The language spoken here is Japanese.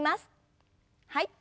はい。